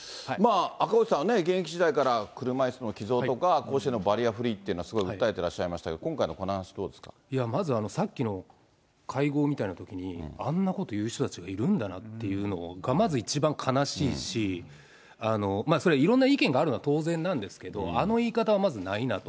赤星さんはね、現役時代から車いすの寄贈とか、甲子園のバリアフリーというのはすごい訴えてましたけど、今回のまず、さっきの会合みたいなときに、あんなこと言う人たちがいるんだなっていうのがまず一番悲しいし、いろんな意見があるのは当然なんですけど、あの言い方はまずないなと。